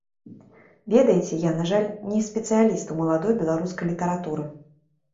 Ведаеце, я, на жаль, не спецыяліст у маладой беларускай літаратуры.